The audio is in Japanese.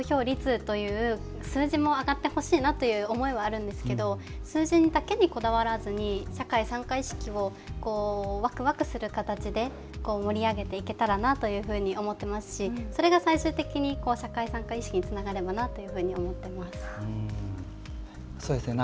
もちろん投票率という数字も上がってほしいなという思いはあるんですけれど数字だけにこだわらずに社会参加意識を、わくわくする形で盛り上げていけたらなというふうに思っていますし、それが最終的に社会参加意識につながればなというふうに思っています。